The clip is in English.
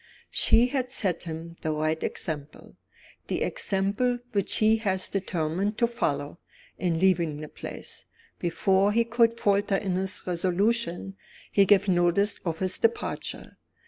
She had set him the right example, the example which he was determined to follow, in leaving the place. Before he could falter in his resolution, he gave notice of his departure.